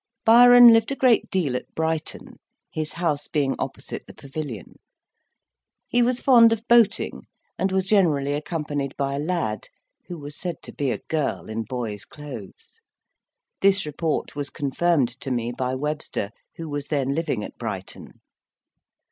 Byron lived a great deal at Brighton, his house being opposite the Pavilion. He was fond of boating, and was generally accompanied by a lad, who was said to be a girl in boy's clothes. This report was confirmed to me by Webster, who was then living at Brighton.